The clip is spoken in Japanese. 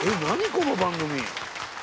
この番組。